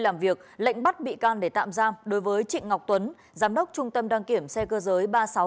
làm việc lệnh bắt bị can để tạm giam đối với chị ngọc tuấn giám đốc trung tâm đăng kiểm xe cơ giới